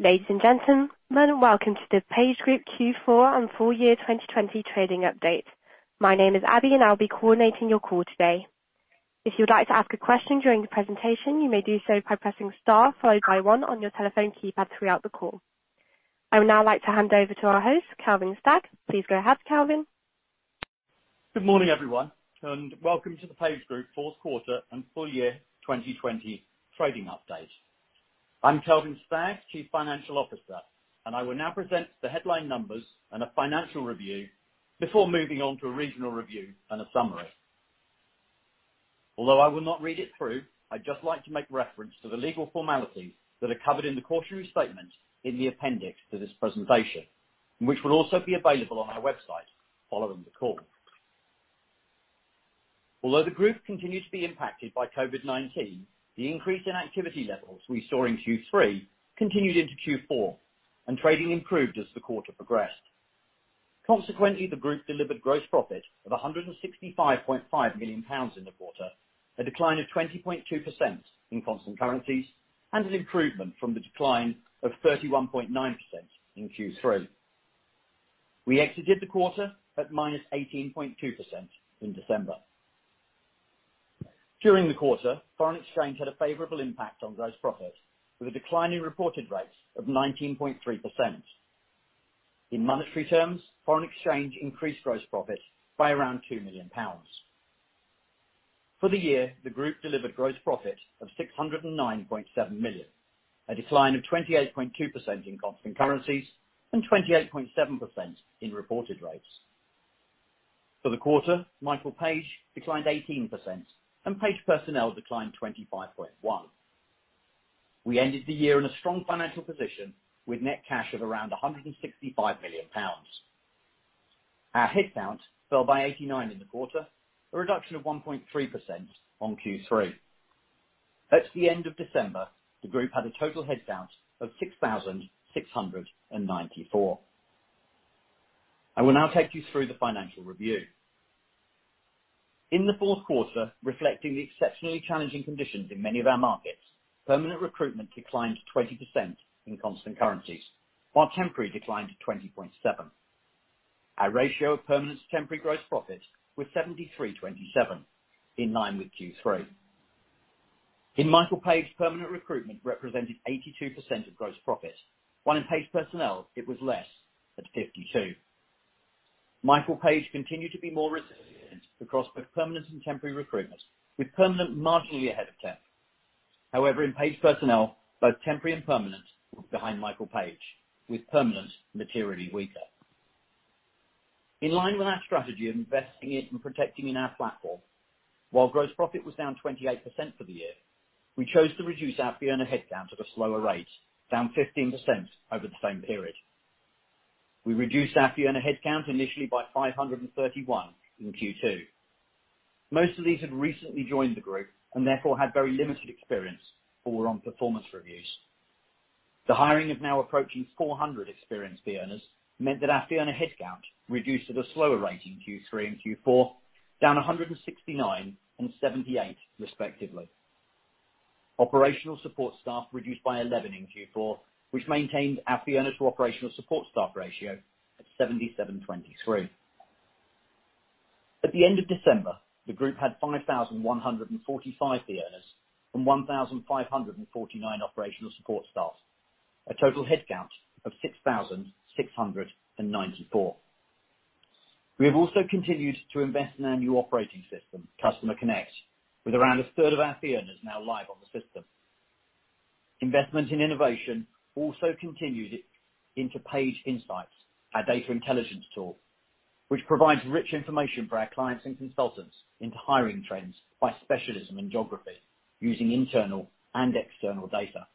Ladies and gentlemen, welcome to the PageGroup Q4 and full year 2020 trading update. My name is Abby, I'll be coordinating your call today. If you'd like to ask a question during the presentation, you may do so by pressing star followed by one on your telephone keypad throughout the call. I would now like to hand over to our host, Kelvin Stagg. Please go ahead, Kelvin. Good morning, everyone, and welcome to the PageGroup Q4 and full year 2020 trading update. I'm Kelvin Stagg, Chief Financial Officer. I will now present the headline numbers and a financial review before moving on to a regional review and a summary. Although I will not read it through, I'd just like to make reference to the legal formalities that are covered in the cautionary statement in the appendix to this presentation, which will also be available on our website following the call. Although the group continued to be impacted by COVID-19, the increase in activity levels we saw in Q3 continued into Q4, trading improved as the quarter progressed. Consequently, the group delivered gross profit of 165.5 million pounds in the quarter, a decline of 20.2% in constant currencies, an improvement from the decline of 31.9% in Q3. We exited the quarter at -18.2% in December. During the quarter, foreign exchange had a favorable impact on gross profit, with a decline in reported rates of 19.3%. In monetary terms, foreign exchange increased gross profit by around 2 million pounds. For the year, the group delivered gross profit of 609.7 million, a decline of 28.2% in constant currencies and 28.7% in reported rates. For the quarter, Michael Page declined 18% and Page Personnel declined 25.1%. We ended the year in a strong financial position with net cash of around 165 million pounds. Our headcount fell by 89 in the quarter, a reduction of 1.3% on Q3. At the end of December, the group had a total headcount of 6,694. I will now take you through the financial review. In the Q4, reflecting the exceptionally challenging conditions in many of our markets, permanent recruitment declined 20% in constant currencies, while temporary declined to 20.7%. Our ratio of permanent to temporary gross profit was 73/27, in line with Q3. In Michael Page, permanent recruitment represented 82% of gross profit, while in Page Personnel it was less, at 52%. Michael Page continued to be more resilient across both permanent and temporary recruitment, with permanent marginally ahead of temp. However, in Page Personnel, both temporary and permanent fall behind Michael Page, with permanent materially weaker. In line with our strategy of investing in and protecting in our platform, while gross profit was down 28% for the year, we chose to reduce our Fee earner headcount at a slower rate, down 15% over the same period. We reduced our Fee earner headcount initially by 531 in Q2. Most of these had recently joined the group and therefore had very limited experience for on performance reviews. The hiring of now approaching 400 experienced fee earners meant that our fee earner headcount reduced at a slower rate in Q3 and Q4, down 169 and 78 respectively. Operational support staff reduced by 11 in Q4, which maintained our fee earners to operational support staff ratio at 77/23. At the end of December, the group had 5,145 fee earners from 1,549 operational support staff. A Total headcount of 6,694. We have also continued to invest in our new operating system, Customer Connect, with around a third of our fee earners now live on the system. Investment in innovation also continued into Page Insights, our data intelligence tool, which provides rich information for our clients and consultants into hiring trends by specialism and geography using internal and external data.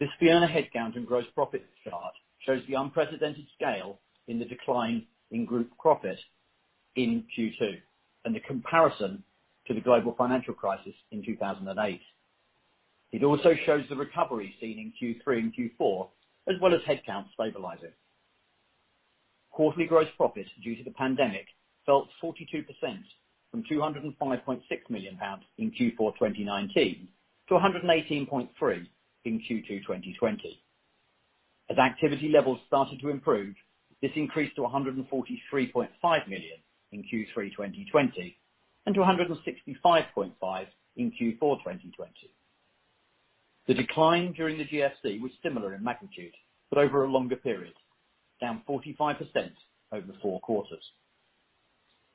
This fee earner headcount and gross profit chart shows the unprecedented scale in the decline in group profit in Q2 and the comparison to the global financial crisis in 2008. It also shows the recovery seen in Q3 and Q4, as well as headcount stabilizing. Quarterly gross profit due to the pandemic fell 42% from 205.6 million pounds in Q4 2019 to 118.3 million in Q2 2020. As activity levels started to improve, this increased to 143.5 million in Q3 2020 and to 165.5 million in Q4 2020. The decline during the GFC was similar in magnitude, but over a longer period, down 45% over the four quarters.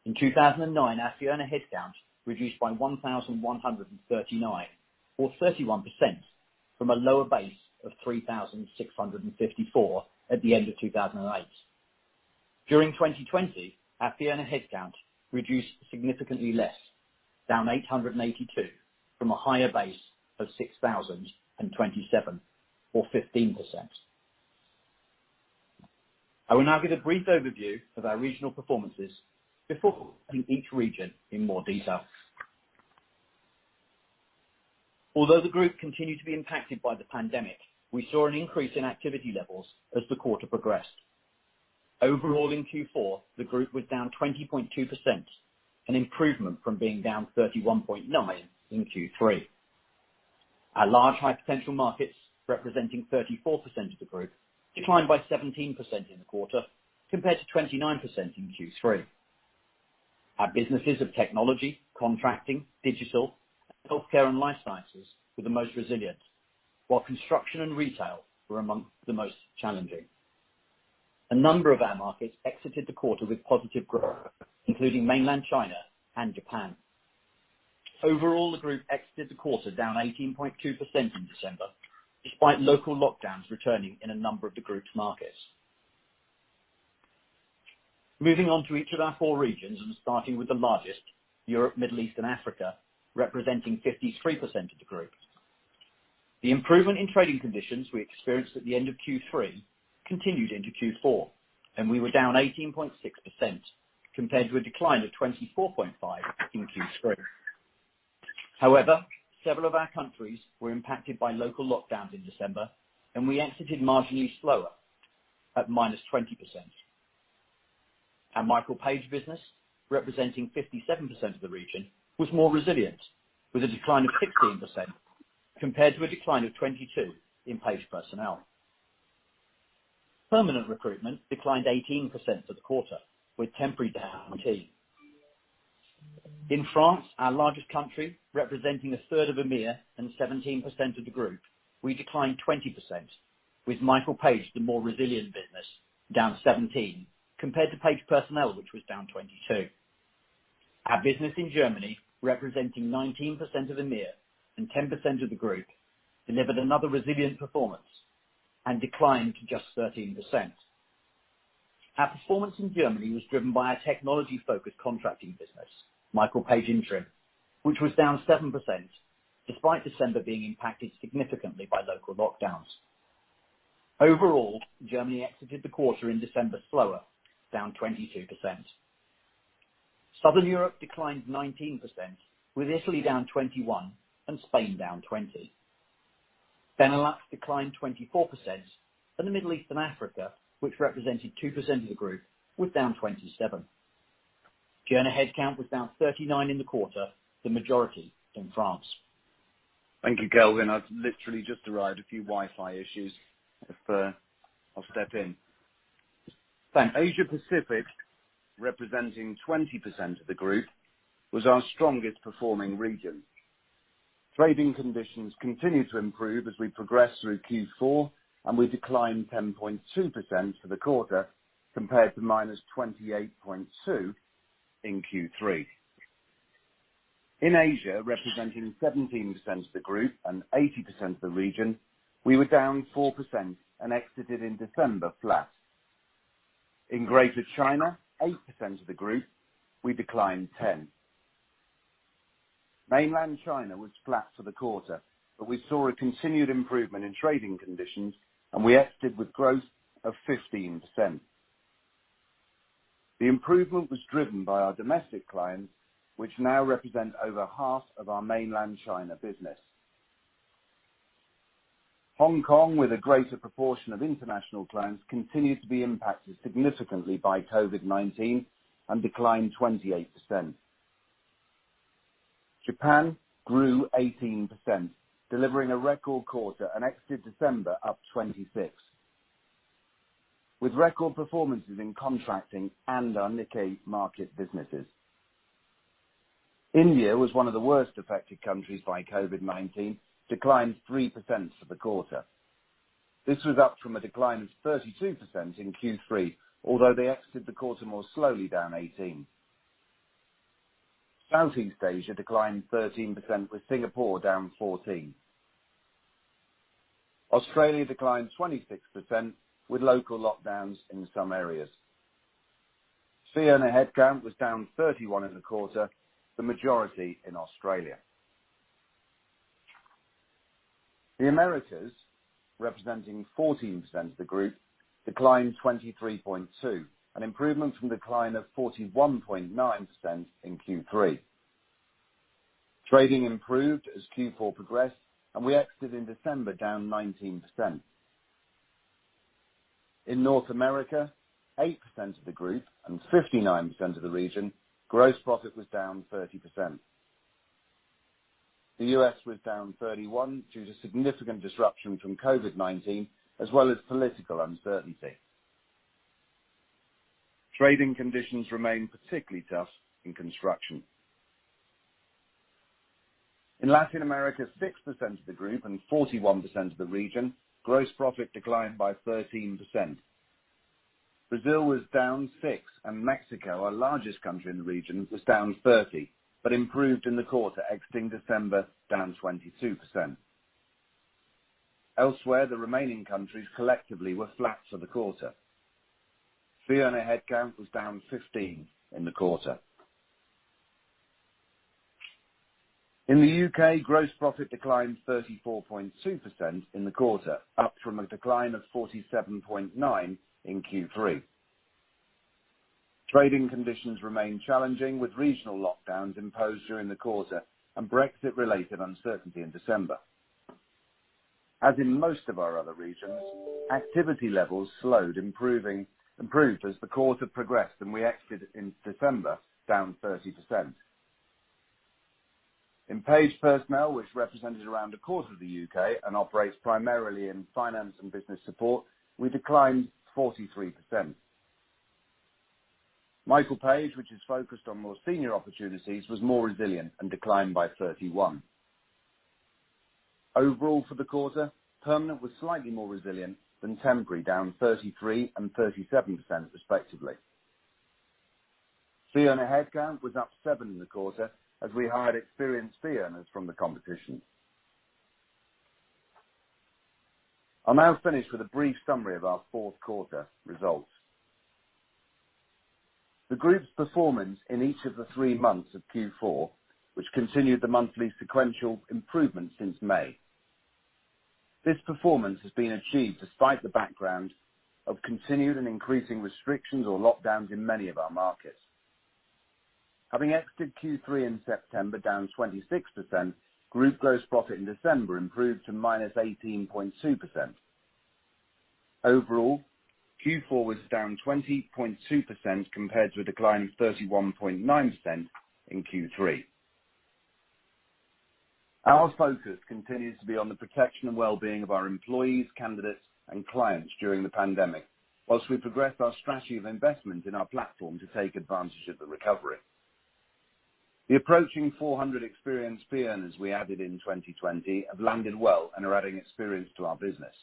In 2009, our fee earner headcount reduced by 1,139 or 31% from a lower base of 3,654 at the end of 2008. During 2020, our fee earner headcount reduced significantly less, down 882 from a higher base of 6,027 or 15%. I will now give a brief overview of our regional performances before looking at each region in more detail. Although the group continued to be impacted by the pandemic, we saw an increase in activity levels as the quarter progressed. Overall, in Q4, the group was down 20.2%, an improvement from being down 31.9% in Q3. Our large high-potential markets, representing 34% of the group, declined by 17% in the quarter, compared to 29% in Q3. Our businesses of technology, contracting, digital, healthcare, and life sciences were the most resilient, while construction and retail were among the most challenging. A number of our markets exited the quarter with positive growth, including Mainland China and Japan. Overall, the group exited the quarter down 18.2% in December, despite local lockdowns returning in a number of the group's markets. Moving on to each of our four regions, and starting with the largest, Europe, Middle East, and Africa, representing 53% of the group. The improvement in trading conditions we experienced at the end of Q3 continued into Q4, and we were down 18.6%, compared to a decline of 24.5% in Q3. However, several of our countries were impacted by local lockdowns in December, and we exited marginally slower at -20%. Our Michael Page business, representing 57% of the region, was more resilient, with a decline of 16%, compared to a decline of 22% in Page Personnel. Permanent recruitment declined 18% for the quarter, with temporary down 15%. In France, our largest country, representing a third of EMEIA and 17% of the group, we declined 20%, with Michael Page, the more resilient business, down 17%, compared to Page Personnel, which was down 22%. Our business in Germany, representing 19% of EMEIA and 10% of the group, delivered another resilient performance and declined just 13%. Our performance in Germany was driven by our technology-focused contracting business, Michael Page Interim, which was down 7%, despite December being impacted significantly by local lockdowns. Overall, Germany exited the quarter in December slower, down 22%. Southern Europe declined 19%, with Italy down 21% and Spain down 20%. The Middle East and Africa, which represented 2% of the group, was down 27%. Total headcount was down 39% in the quarter, the majority from France. Thank you, Kelvin. I've literally just arrived, a few Wi-Fi issues. I'll step in. Thanks. Asia Pacific, representing 20% of the group, was our strongest performing region. Trading conditions continued to improve as we progressed through Q4, and we declined 10.2% for the quarter compared to -28.2% in Q3. In Asia, representing 17% of the group and 80% of the region, we were down 4% and exited in December flat. In Greater China, 8% of the group, we declined 10%. Mainland China was flat for the quarter, but we saw a continued improvement in trading conditions, and we exited with growth of 15%. The improvement was driven by our domestic clients, which now represent over half of our Mainland China business. Hong Kong, with a greater proportion of international clients, continued to be impacted significantly by COVID-19 and declined 28%. Japan grew 18%, delivering a record quarter and exited December up 26%, with record performances in contracting and our Nikkei market businesses. India was 1 of the worst affected countries by COVID-19, declined 3% for the quarter. This was up from a decline of 32% in Q3, although they exited the quarter more slowly, down 18%. Southeast Asia declined 13%, with Singapore down 14%. Australia declined 26%, with local lockdowns in some areas. Fee earner headcount was down 31% in the quarter, the majority in Australia. The Americas, representing 14% of the group, declined 23.2%, an improvement from the decline of 41.9% in Q3. Trading improved as Q4 progressed, and we exited in December down 19%. In North America, 8% of the group and 59% of the region, gross profit was down 30%. The U.S. was down 31% due to significant disruption from COVID-19 as well as political uncertainty. Trading conditions remain particularly tough in construction. In Latin America, 6% of the group and 41% of the region, gross profit declined by 13%. Brazil was down 6%. Mexico, our largest country in the region, was down 30%, but improved in the quarter, exiting December, down 22%. Elsewhere, the remaining countries collectively were flat for the quarter. Fee earner headcount was down 15% in the quarter. In the U.K., gross profit declined 34.2% in the quarter, up from a decline of 47.9% in Q3. Trading conditions remain challenging with regional lockdowns imposed during the quarter and Brexit-related uncertainty in December. As in most of our other regions, activity levels slowed, improving as the quarter progressed. We exited in December down 30%. In Page Personnel, which represented around a quarter of the U.K. and operates primarily in finance and business support, we declined 43%. Michael Page, which is focused on more senior opportunities, was more resilient and declined by 31%. Overall for the quarter, permanent was slightly more resilient than temporary, down 33% and 37% respectively. Fee earner headcount was up seven in the quarter as we hired experienced fee earners from the competition. I'll now finish with a brief summary of our Q4 results. The group's performance in each of the three months of Q4, which continued the monthly sequential improvement since May. This performance has been achieved despite the background of continued and increasing restrictions or lockdowns in many of our markets. Having exited Q3 in September, down 26%, group gross profit in December improved to minus 18.2%. Overall, Q4 was down 20.2% compared to a decline of 31.9% in Q3. Our focus continues to be on the protection and wellbeing of our employees, candidates, and clients during the pandemic, while we progress our strategy of investment in our platform to take advantage of the recovery. The approaching 400 experienced fee earners we added in 2020 have landed well and are adding experience to our business.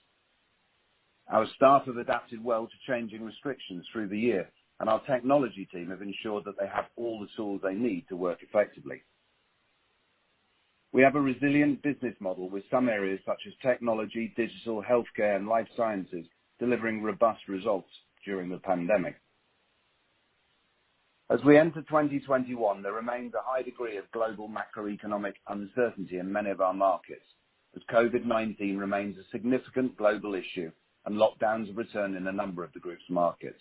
Our staff have adapted well to changing restrictions through the year, and our technology team have ensured that they have all the tools they need to work effectively. We have a resilient business model with some areas such as technology, digital, healthcare, and life sciences delivering robust results during the pandemic. As we enter 2021, there remains a high degree of global macroeconomic uncertainty in many of our markets, as COVID-19 remains a significant global issue and lockdowns have returned in a number of the group's markets.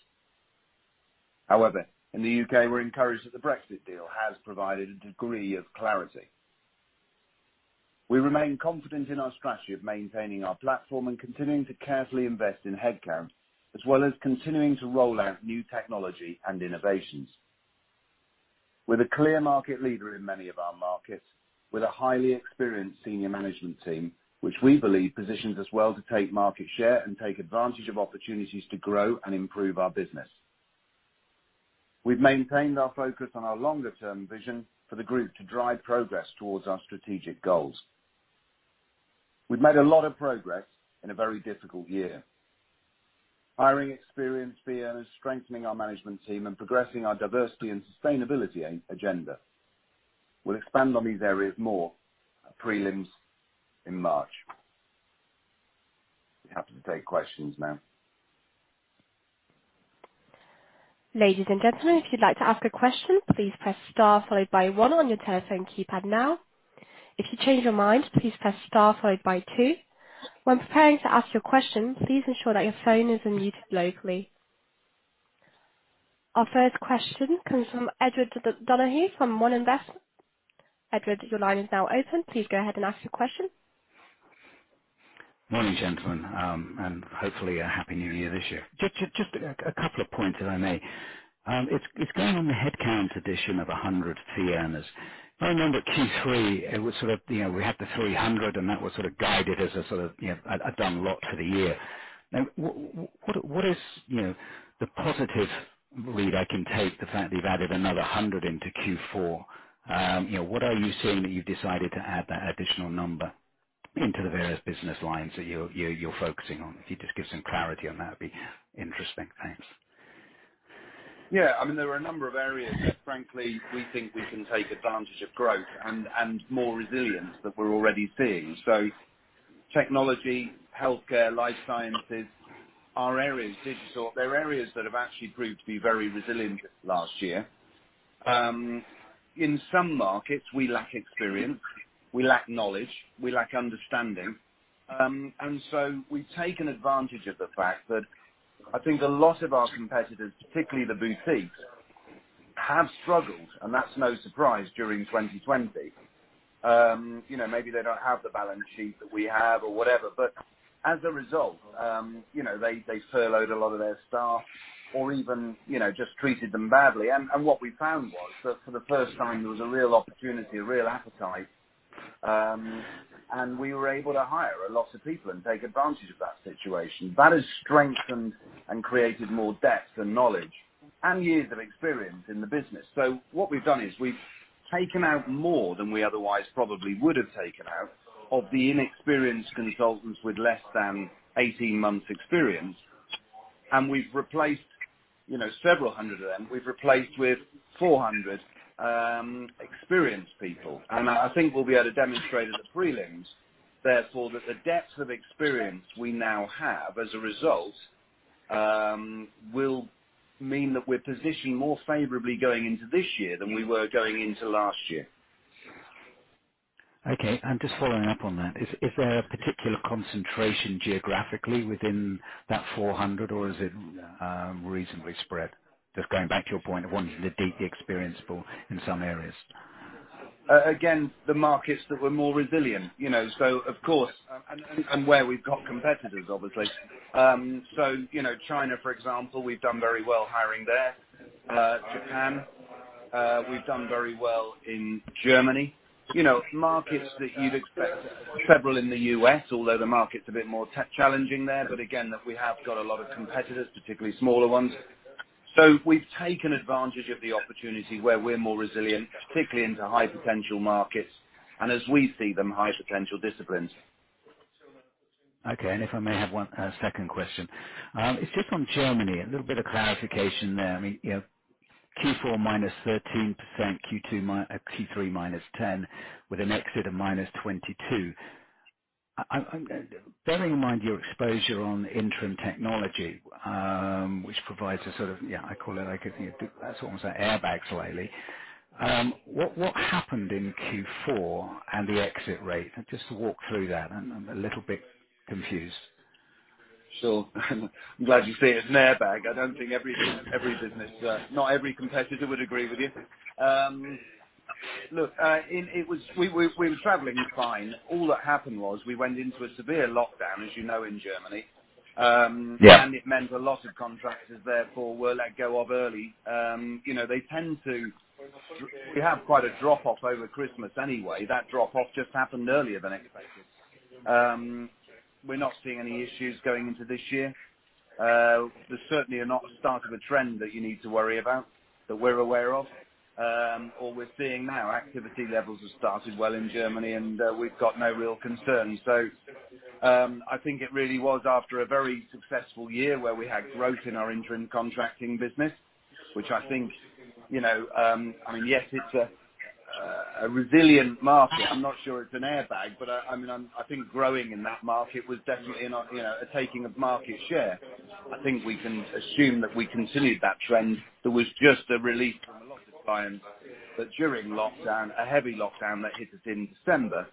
However, in the U.K., we're encouraged that the Brexit deal has provided a degree of clarity. We remain confident in our strategy of maintaining our platform and continuing to carefully invest in headcount, as well as continuing to roll out new technology and innovations. We're a clear market leader in many of our markets with a highly experienced senior management team, which we believe positions us well to take market share and take advantage of opportunities to grow and improve our business. We've maintained our focus on our longer-term vision for the group to drive progress towards our strategic goals. We've made a lot of progress in a very difficult year. Hiring experienced fee earners, strengthening our management team, and progressing our diversity and sustainability agenda. We'll expand on these areas more at prelims in March. We're happy to take questions now. Our first question comes from Edward Donohue from Morgan Stanley. Edward, your line is now open. Please go ahead and ask your question. Morning, gentlemen. Hopefully a happy new year this year. Just a couple of points, if I may. It's going on the headcount addition of 100 fee earners. I remember Q3, we had the 300 and that was sort of guided as a done lot for the year. What is the positive read I can take the fact that you've added another 100 into Q4? What are you seeing that you've decided to add that additional number into the various business lines that you're focusing on? If you just give some clarity on that, it'd be interesting. Thanks. Yeah. There are a number of areas that frankly, we think we can take advantage of growth and more resilience that we're already seeing. Technology, healthcare, life sciences, are areas. Digital. They're areas that have actually proved to be very resilient last year. In some markets, we lack experience, we lack knowledge, we lack understanding. We've taken advantage of the fact that I think a lot of our competitors, particularly the boutiques, have struggled, and that's no surprise, during 2020. Maybe they don't have the balance sheet that we have or whatever. As a result, they furloughed a lot of their staff or even just treated them badly. What we found was that for the first time, there was a real opportunity, a real appetite, and we were able to hire a lot of people and take advantage of that situation. That has strengthened and created more depth and knowledge and years of experience in the business. What we've done is we've taken out more than we otherwise probably would have taken out of the inexperienced consultants with less than 18 months' experience, and we've replaced several hundred of them. We've replaced with 400 experienced people. I think we'll be able to demonstrate at the prelims, therefore, that the depth of experience we now have as a result will mean that we're positioned more favorably going into this year than we were going into last year. Okay. Just following up on that, is there a particular concentration geographically within that 400, or is it reasonably spread? Just going back to your point of wanting the deeply experienced people in some areas. Again, the markets that were more resilient. Of course, and where we've got competitors, obviously. China, for example, we've done very well hiring there. Japan. We've done very well in Germany. Markets that you'd expect, several in the U.S., although the market's a bit more challenging there, but again, that we have got a lot of competitors, particularly smaller ones. We've taken advantage of the opportunity where we're more resilient, particularly into high potential markets, and as we see them, high potential disciplines. Okay. If I may have one second question. It's just on Germany, a little bit of clarification there. Q4 -13%, Q3 -10%, with an exit of -22%. Bearing in mind your exposure on interim technology, which provides a sort of, I call it like, almost like airbags lately. What happened in Q4 and the exit rate? Just to walk through that, I'm a little bit confused. Sure. I'm glad you see it as an airbag. I don't think not every competitor would agree with you. Look, we were traveling fine. All that happened was we went into a severe lockdown, as you know, in Germany. Yeah. It meant a lot of contractors therefore were let go of early. We have quite a drop-off over Christmas anyway. That drop-off just happened earlier than expected. We're not seeing any issues going into this year. There certainly are not a start of a trend that you need to worry about, that we're aware of. All we're seeing now, activity levels have started well in Germany, and we've got no real concerns. I think it really was after a very successful year where we had growth in our interim contracting business, which I think, yes, it's a resilient market. I'm not sure it's an airbag, but I think growing in that market was definitely a taking of market share. I think we can assume that we continued that trend that was just a release from a lot of clients that during lockdown, a heavy lockdown that hit us in December.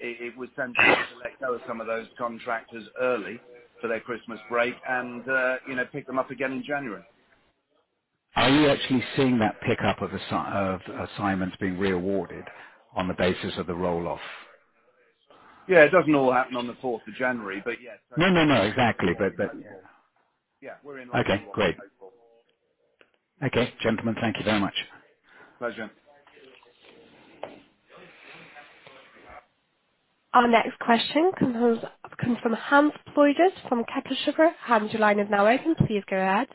It would tend to let go of some of those contractors early for their Christmas break and pick them up again in January. Are you actually seeing that pickup of assignments being re-awarded on the basis of the roll-off? Yeah, it doesn't all happen on the 4th of January, but yes. No, exactly. Yeah. Okay, great. Hopeful. Okay, gentlemen. Thank you very much. Pleasure. Our next question comes from Hans Pluijgers from Kepler Cheuvreux. Hans, your line is now open. Please go ahead.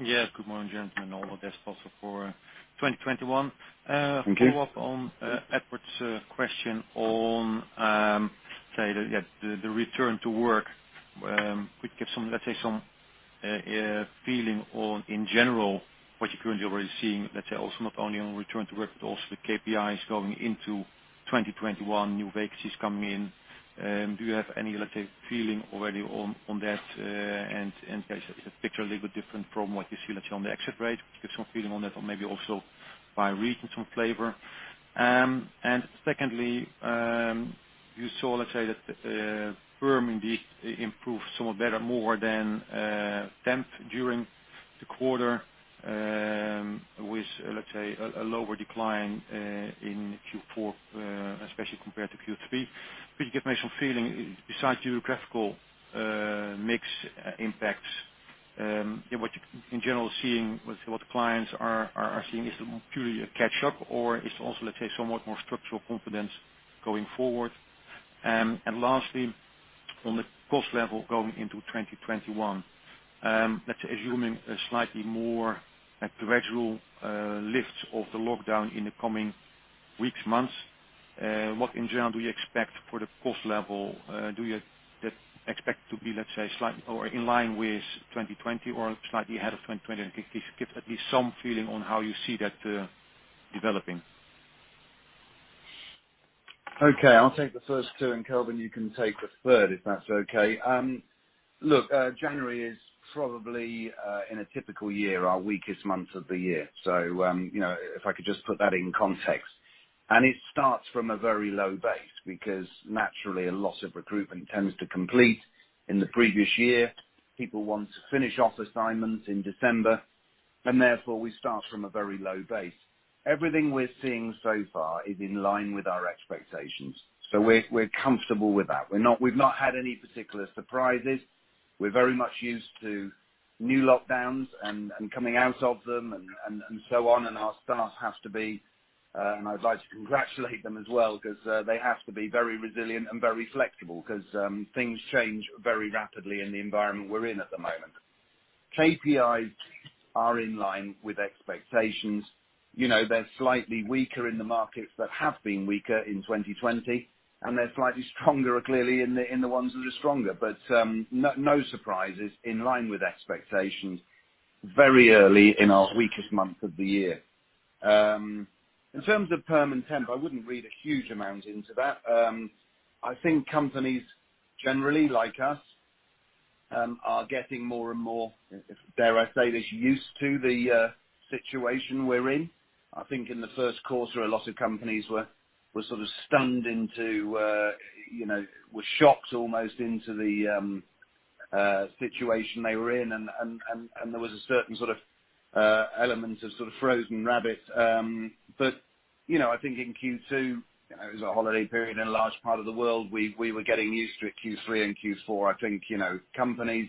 Yes. Good morning, gentlemen. All the best possible for 2021. Thank you. A follow-up on Edward's question on the return to work. Could you give, let's say, some feeling on in general, what you're currently already seeing, let's say also not only on return to work, but also the KPIs going into 2021, new vacancies coming in. Do you have any, let's say, feeling already on that? Let's say, is the picture a little different from what you see, let's say, on the exit rate? Could you give some feeling on that or maybe also by region, some flavor. Secondly, you saw, let's say that perm indeed improved somewhat better more than temp during the quarter, with, let's say, a lower decline in Q4, especially compared to Q3. Could you give me some feeling besides geographical mix impacts, in what you in general seeing, what the clients are seeing? Is it purely a catch-up or it's also, let's say, somewhat more structural confidence going forward? Lastly, on the cost level going into 2021. Let's assuming a slightly more gradual lift of the lockdown in the coming weeks, months. What in general do you expect for the cost level? Do you expect to be, let's say, slight or in line with 2020 or slightly ahead of 2020? Could you give at least some feeling on how you see that developing? Okay. I'll take the first two, and Kelvin, you can take the third, if that's okay. Look, January is probably, in a typical year, our weakest month of the year. If I could just put that in context. It starts from a very low base because naturally, a lot of recruitment tends to complete in the previous year. People want to finish off assignments in December, and therefore, we start from a very low base. Everything we're seeing so far is in line with our expectations. We're comfortable with that. We've not had any particular surprises. We're very much used to new lockdowns and coming out of them and so on. I'd like to congratulate them as well because they have to be very resilient and very flexible because things change very rapidly in the environment we're in at the moment. KPIs are in line with expectations. They're slightly weaker in the markets that have been weaker in 2020, and they're slightly stronger clearly in the ones that are stronger. No surprises, in line with expectations, very early in our weakest month of the year. In terms of perm and temp, I wouldn't read a huge amount into that. I think companies generally, like us, are getting more and more, dare I say this, used to the situation we're in. I think in the Q1, a lot of companies were sort of shocked almost into the situation they were in, and there was a certain element of frozen rabbit. I think in Q2, it was a holiday period in a large part of the world. We were getting used to it. Q3 and Q4, I think, companies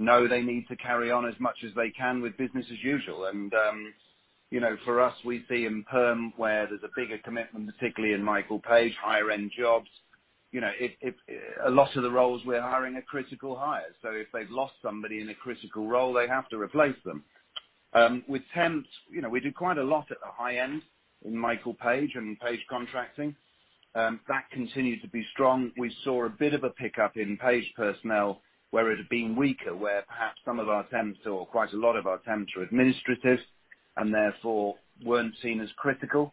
know they need to carry on as much as they can with business as usual. For us, we see in perm, where there's a bigger commitment, particularly in Michael Page, higher-end jobs. A lot of the roles we're hiring are critical hires. If they've lost somebody in a critical role, they have to replace them. With temps, we do quite a lot at the high end in Michael Page and Page Contracting. That continued to be strong. We saw a bit of a pickup in Page Personnel where it had been weaker. Where perhaps some of our temps or quite a lot of our temps were administrative, and therefore, weren't seen as critical.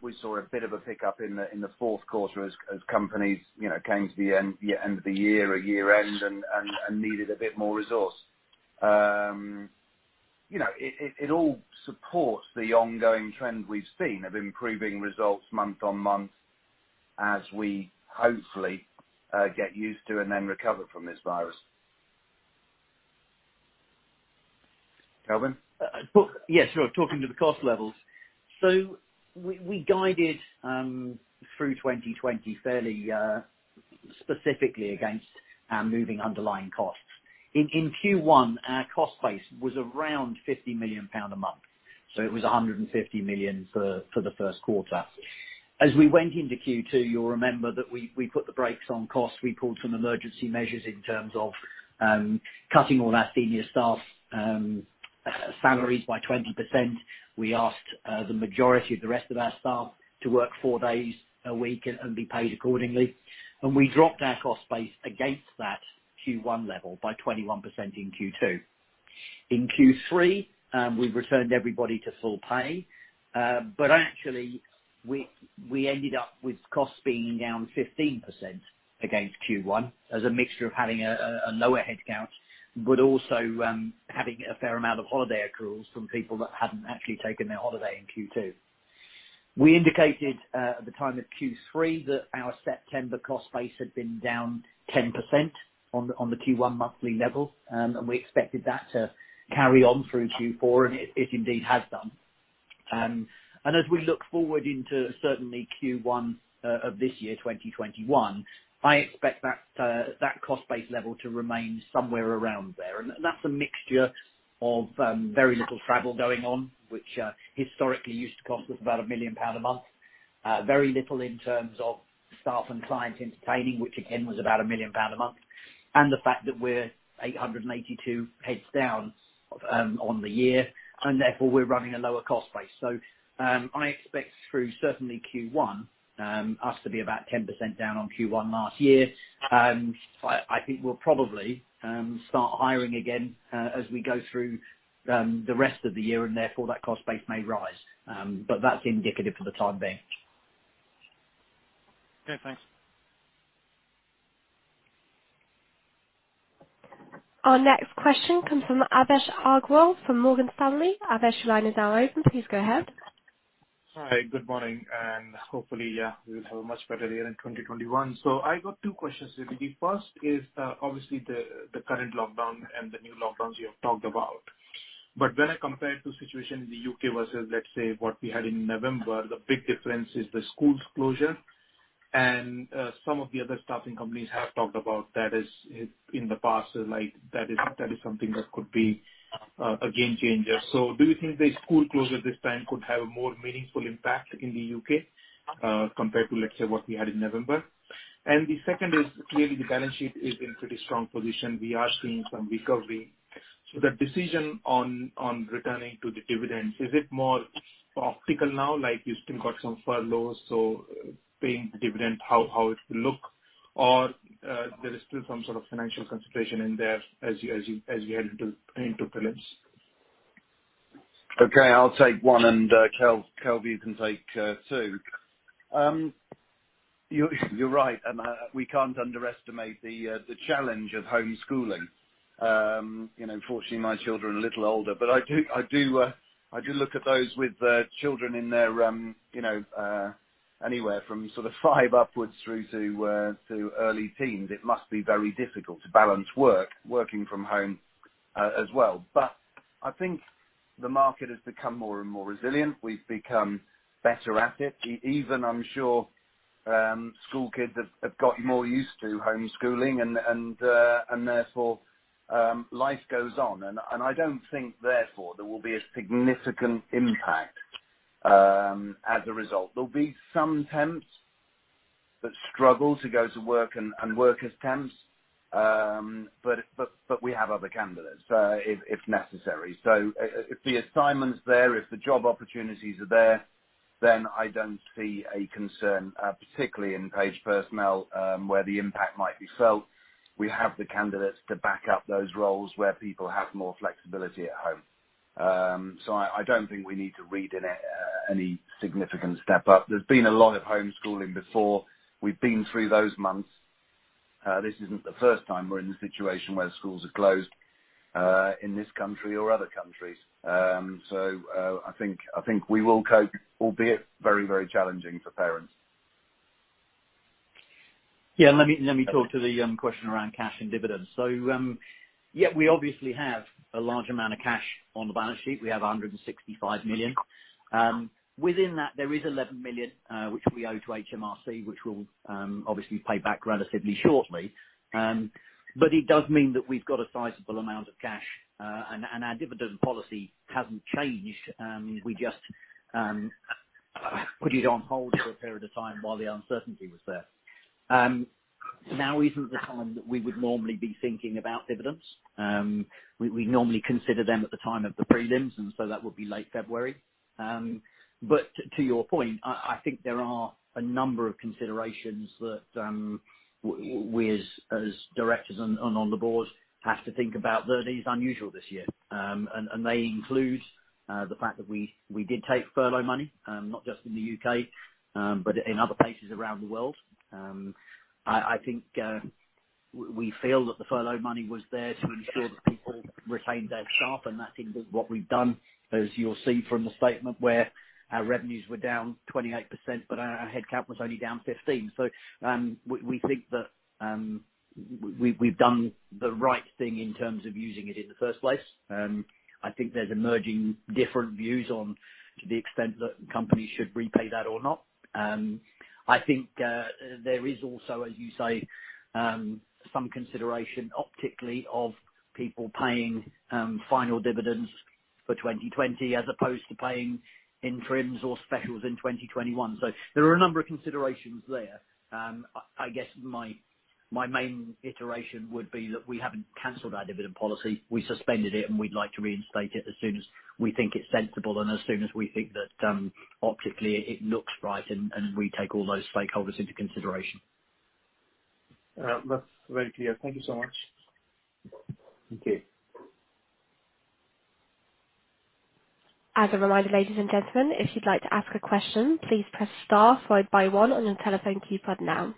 We saw a bit of a pickup in the Q4 as companies came to the end of the year or year-end and needed a bit more resource. It all supports the ongoing trend we've seen of improving results month-on-month as we hopefully get used to and then recover from this virus. Kelvin? Yes. Talking to the cost levels. We guided through 2020 fairly specifically against our moving underlying costs. In Q1, our cost base was around 50 million pound a month. It was 150 million for the Q1. As we went into Q2, you'll remember that we put the brakes on costs. We pulled some emergency measures in terms of cutting all our senior staff salaries by 20%. We asked the majority of the rest of our staff to work four days a week and be paid accordingly. We dropped our cost base against that Q1 level by 21% in Q2. In Q3, we returned everybody to full pay. Actually, we ended up with costs being down 15% against Q1 as a mixture of having a lower headcount, but also having a fair amount of holiday accruals from people that hadn't actually taken their holiday in Q2. We indicated at the time of Q3 that our September cost base had been down 10% on the Q1 monthly level, and we expected that to carry on through Q4, and it indeed has done. As we look forward into certainly Q1 of this year, 2021, I expect that cost base level to remain somewhere around there. That's a mixture of very little travel going on, which historically used to cost us about 1 million pounds a month. Very little in terms of staff and client entertaining, which again, was about 1 million pounds a month. The fact that we're 882 heads down on the year, and therefore, we're running a lower cost base. I expect through certainly Q1, us to be about 10% down on Q1 last year. I think we'll probably start hiring again as we go through the rest of the year, and therefore, that cost base may rise. That's indicative for the time being. Okay, thanks. Our next question comes from Anvesh Agrawal from Morgan Stanley. Anvesh, your line is now open. Please go ahead. Hi, good morning. Hopefully, we will have a much better year in 2021. I got two questions. The first is obviously the current lockdown and the new lockdowns you have talked about. When I compare it to situation in the U.K. versus what we had in November, the big difference is the schools closure, and some of the other staffing companies have talked about that in the past as like that is something that could be a game changer. Do you think the school closure this time could have a more meaningful impact in the U.K. compared to what we had in November? The second is, clearly the balance sheet is in pretty strong position. We are seeing some recovery. The decision on returning to the dividends, is it more optical now, like you still got some furloughs, so paying the dividend, how it will look? There is still some sort of financial consideration in there as you head into full year. Okay, I'll take one, and Kelvin, you can take two. You're right. We can't underestimate the challenge of homeschooling. Fortunately, my children are a little older. I do look at those with children in their anywhere from five upwards through to early teens. It must be very difficult to balance work, working from home as well. I think the market has become more and more resilient. We've become better at it. Even, I'm sure, school kids have got more used to homeschooling, and therefore, life goes on. I don't think, therefore, there will be a significant impact as a result. There'll be some temps that struggle to go to work and work as temps. We have other candidates if necessary. If the assignment's there, if the job opportunities are there, then I don't see a concern, particularly in Page Personnel, where the impact might be felt. We have the candidates to back up those roles where people have more flexibility at home. I don't think we need to read any significant step-up. There's been a lot of homeschooling before. We've been through those months. This isn't the first time we're in a situation where schools are closed, in this country or other countries. I think we will cope, albeit very challenging for parents. Yeah. Let me talk to the question around cash and dividends. Yeah, we obviously have a large amount of cash on the balance sheet. We have 165 million. Within that, there is 11 million which we owe to HMRC, which we'll obviously pay back relatively shortly. It does mean that we've got a sizable amount of cash, and our dividend policy hasn't changed. We just put it on hold for a period of time while the uncertainty was there. Now isn't the time that we would normally be thinking about dividends. We normally consider them at the time of the prelims, that would be late February. To your point, I think there are a number of considerations that we, as directors on the boards, have to think about, though it is unusual this year. They include the fact that we did take furlough money, not just in the U.K., but in other places around the world. I think we feel that the furlough money was there to ensure that people retained their staff, and that includes what we've done, as you'll see from the statement where our revenues were down 28%, but our headcount was only down 15. We think that we've done the right thing in terms of using it in the first place. I think there's emerging different views on to the extent that companies should repay that or not. I think there is also, as you say, some consideration optically of people paying final dividends for 2020 as opposed to paying interims or specials in 2021. There are a number of considerations there. I guess my main iteration would be that we haven't canceled our dividend policy. We suspended it, and we'd like to reinstate it as soon as we think it's sensible and as soon as we think that optically it looks right, and we take all those stakeholders into consideration. That's very clear. Thank you so much. Okay. As a reminder, ladies and gentlemen, if you'd like to ask a question, please press star followed by one on your telephone keypad now.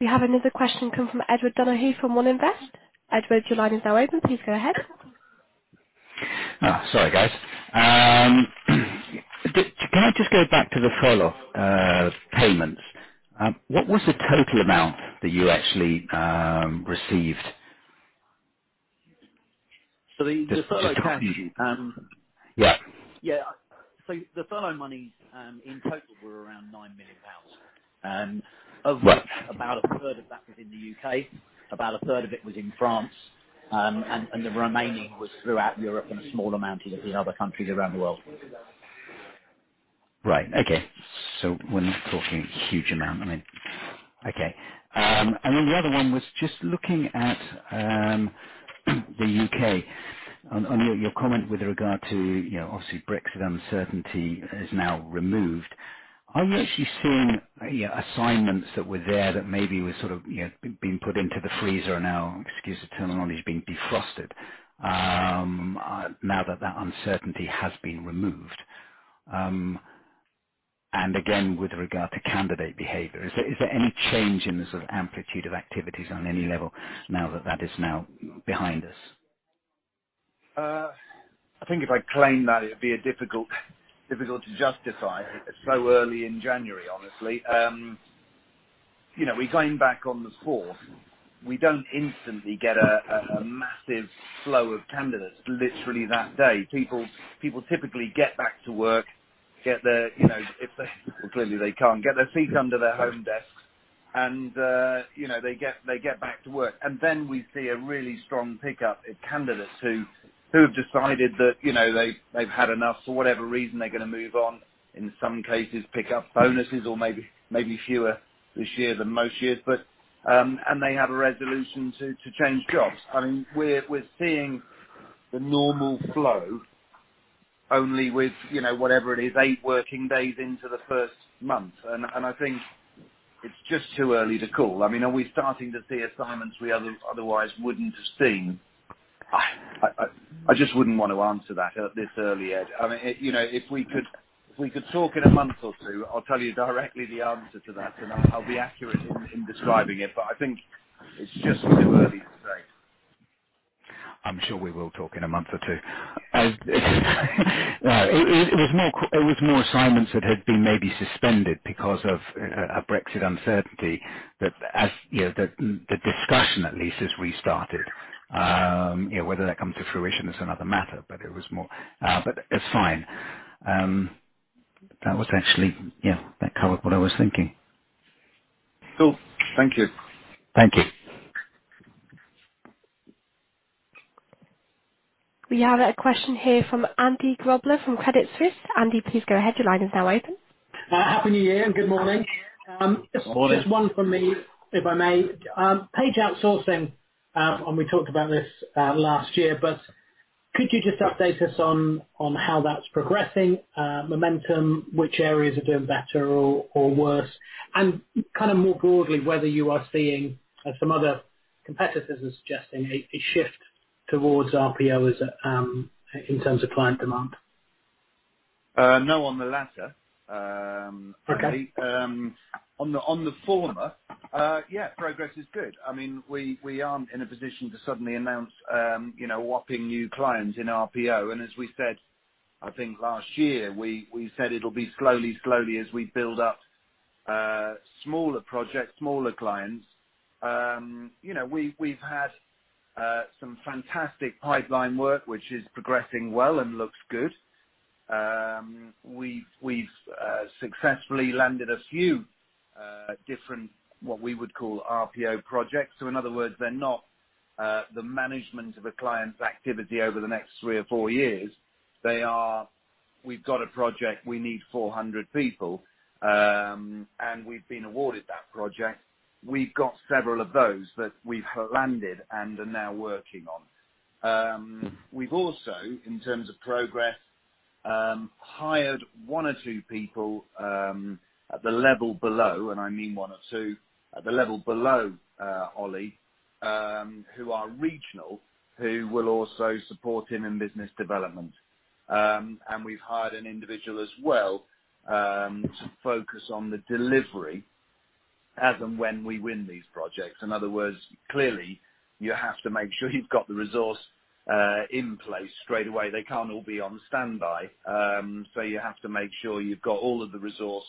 We have another question come from Edward Donohue from One Invest. Edward, your line is now open. Please go ahead. Sorry, guys. Can I just go back to the furlough payments? What was the total amount that you actually received? The furlough cash? Yeah. The furlough monies in total were around 9 million pounds. Right. Of which, about a third of that was in the U.K., about a third of it was in France, and the remaining was throughout Europe, and a small amount in the other countries around the world. Right. Okay. We're not talking a huge amount. Okay. The other one was just looking at the U.K. On your comment with regard to obviously Brexit uncertainty is now removed, are you actually seeing assignments that were there that maybe were sort of being put into the freezer are now, excuse the terminology, being defrosted now that that uncertainty has been removed? Again, with regard to candidate behavior, is there any change in the sort of amplitude of activities on any level now that that is now behind us? I think if I claim that, it'd be difficult to justify so early in January, honestly. We came back on the fourth. We don't instantly get a massive flow of candidates literally that day. People typically get back to work, clearly they can't get their seat under their home desk and they get back to work. Then we see a really strong pickup in candidates who have decided that they've had enough for whatever reason, they're going to move on, in some cases pick up bonuses or maybe fewer this year than most years, and they have a resolution to change jobs. We're seeing the normal flow only with whatever it is, eight working days into the first month. I think it's just too early to call. Are we starting to see assignments we otherwise wouldn't have seen? I just wouldn't want to answer that this early, Ed. If we could talk in a month or two, I'll tell you directly the answer to that, and I'll be accurate in describing it, but I think it's just too early to say. I'm sure we will talk in a month or two. It was more assignments that had been maybe suspended because of Brexit uncertainty that the discussion at least has restarted. Whether that comes to fruition is another matter. That's fine. That covered what I was thinking. Cool. Thank you. Thank you. We have a question here from Andy Grobler from Credit Suisse. Andy, please go ahead. Your line is now open. Happy New Year and good morning. Morning. Just one from me, if I may. Page Outsourcing, and we talked about this last year, but could you just update us on how that's progressing, momentum, which areas are doing better or worse? Kind of more broadly, whether you are seeing some other competitors are suggesting a shift towards RPO in terms of client demand. No, on the latter. Okay. On the former, yeah, progress is good. We aren't in a position to suddenly announce whopping new clients in RPO. As we said, I think last year, we said it'll be slowly as we build up smaller projects, smaller clients. We've had some fantastic pipeline work, which is progressing well and looks good. We've successfully landed a few different, what we would call RPO projects. In other words, they're not the management of a client's activity over the next three or four years. They are, we've got a project, we need 400 people, and we've been awarded that project. We've got several of those that we've landed and are now working on. We've also, in terms of progress, hired one or two people at the level below, and I mean one or two at the level below Oli, who are regional, who will also support him in business development. We've hired an individual as well to focus on the delivery as and when we win these projects. In other words, clearly, you have to make sure you've got the resource in place straight away. They can't all be on standby. You have to make sure you've got all of the resource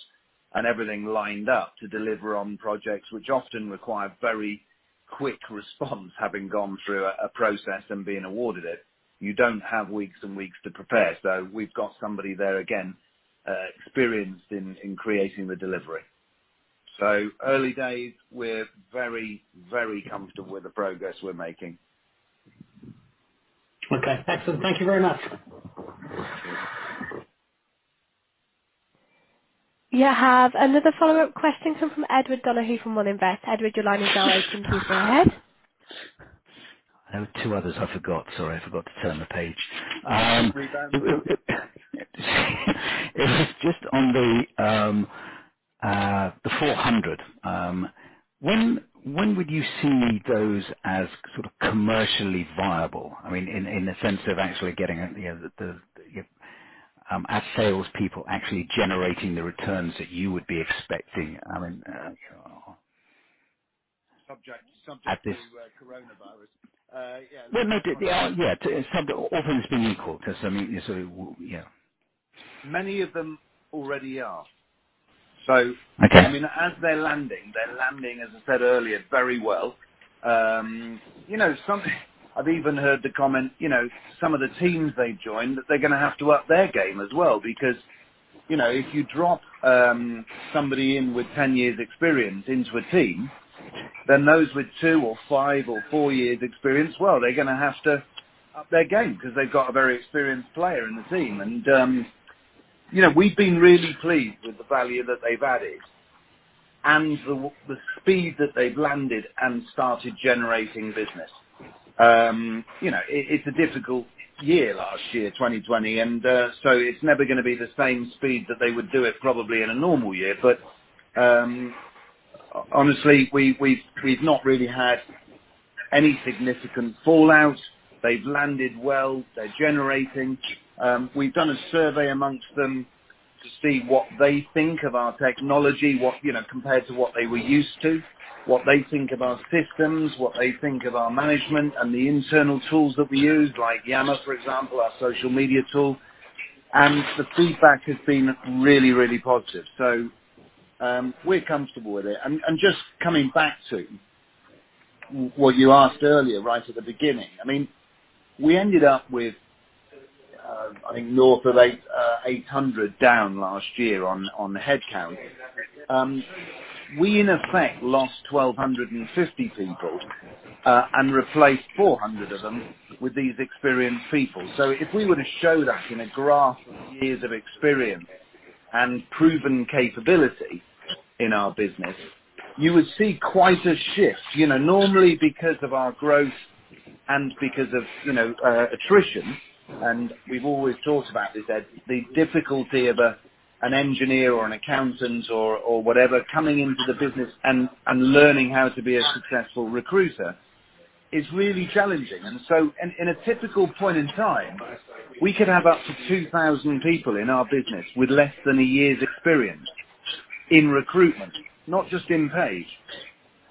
and everything lined up to deliver on projects which often require very quick response, having gone through a process and being awarded it. You don't have weeks and weeks to prepare. We've got somebody there, again, experienced in creating the delivery. Early days, we're very, very comfortable with the progress we're making. Okay. Excellent. Thank you very much. You have another follow-up question come from Edward Donohue from One Invest. Edward, your line is now open. Please go ahead. I have two others I forgot. Sorry, I forgot to turn the page. No worries. It was just on the 400. When would you see those as commercially viable? In the sense of our salespeople actually generating the returns that you would be expecting? Subject to- At this- coronavirus. Yeah. Well, no. All things being equal. Many of them already are. Okay. As they're landing, they're landing, as I said earlier, very well. I've even heard the comment, some of the teams they joined that they're going to have to up their game as well because, if you drop somebody in with 10 years experience into a team, then those with two or five or four years experience, well, they're going to have to up their game because they've got a very experienced player in the team. We've been really pleased with the value that they've added and the speed that they've landed and started generating business. It's a difficult year last year, 2020, and so it's never going to be the same speed that they would do it probably in a normal year. Honestly, we've not really had any significant fallout. They've landed well. They're generating. We've done a survey amongst them to see what they think of our technology, compared to what they were used to, what they think of our systems, what they think of our management and the internal tools that we use, like Yammer, for example, our social media tool. The feedback has been really, really positive. We're comfortable with it. Just coming back to what you asked earlier right at the beginning. We ended up with, I think, north of 800 down last year on headcount. We, in effect, lost 1,250 people and replaced 400 of them with these experienced people. If we were to show that in a graph of years of experience and proven capability in our business, you would see quite a shift. Normally because of our growth and because of attrition, we've always talked about this, that the difficulty of an engineer or an accountant or whatever coming into the business and learning how to be a successful recruiter is really challenging. In a typical point in time, we could have up to 2,000 people in our business with less than a year's experience in recruitment, not just in Page.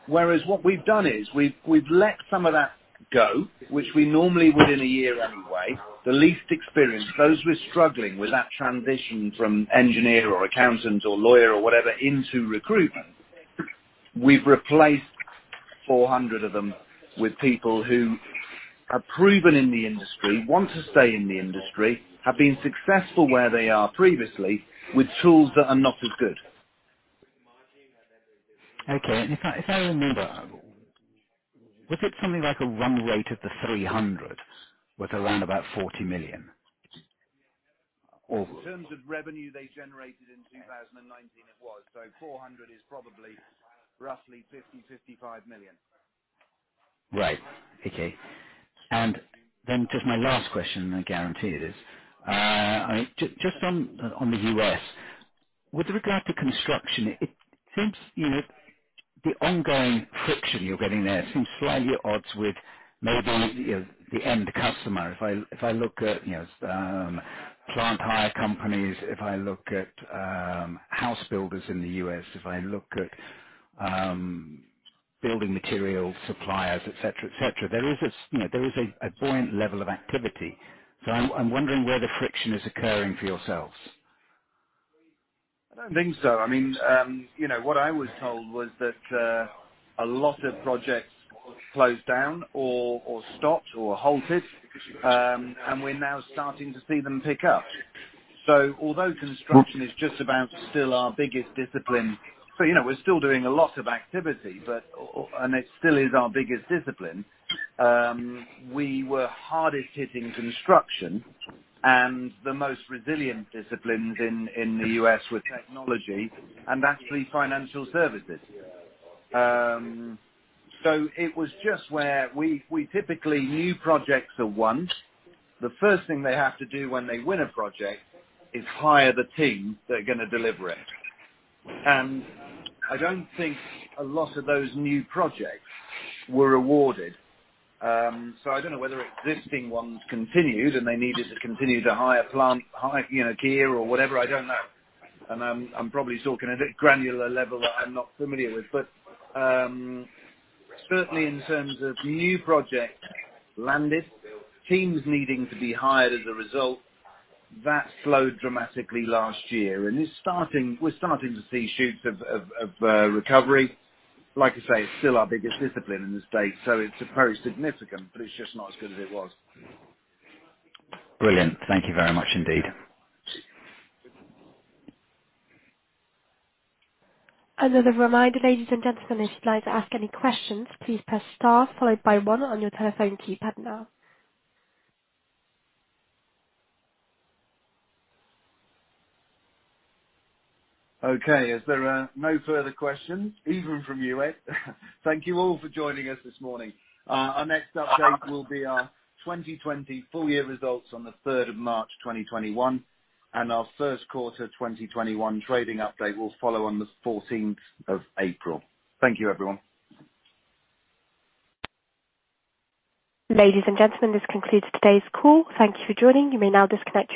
Whereas what we've done is we've let some of that go, which we normally would in a year anyway. The least experienced, those who are struggling with that transition from engineer or accountant or lawyer or whatever into recruitment, we've replaced 400 of them with people who are proven in the industry, want to stay in the industry, have been successful where they are previously with tools that are not as good. Okay. If I remember, was it something like a run rate of the 300 with around about 40 million? In terms of revenue they generated in 2019, it was. 400 is probably roughly 50 million, 55 million. Right. Okay. Just my last question, I guarantee it is. Just on the U.S. with regard to construction, it seems the ongoing friction you're getting there seems slightly at odds with maybe the end customer. If I look at plant hire companies, if I look at house builders in the U.S., if I look at building material suppliers, et cetera. There is a buoyant level of activity. I'm wondering where the friction is occurring for yourselves. I don't think so. What I was told was that a lot of projects closed down or stopped or halted, and we're now starting to see them pick up. Although construction is just about still our biggest discipline, we're still doing a lot of activity, and it still is our biggest discipline. We were hardest hit in construction, and the most resilient disciplines in the U.S. were technology and actually financial services. It was just where we typically, new projects are won. The first thing they have to do when they win a project is hire the team that are going to deliver it. I don't think a lot of those new projects were awarded. I don't know whether existing ones continued, and they needed to continue to hire plant, gear, or whatever, I don't know. I'm probably talking at a granular level that I'm not familiar with, but certainly in terms of new projects landed, teams needing to be hired as a result, that slowed dramatically last year. We're starting to see shoots of recovery. Like I say, it's still our biggest discipline in the States, so it's very significant, but it's just not as good as it was. Brilliant. Thank you very much indeed. Another reminder, ladies and gentlemen, if you'd like to ask any questions, please press star followed by one on your telephone keypad now. Okay, as there are no further questions, even from you, Ed, thank you all for joining us this morning. Our next update will be our 2020 full year results on the 3rd of March 2021. Our Q1 2021 trading update will follow on the 14th of April. Thank you, everyone. Ladies and gentlemen, this concludes today's call. Thank you for joining. You may now disconnect your phones.